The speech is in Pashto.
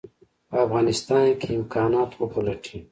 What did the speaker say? په افغانستان کې امکانات وپلټي.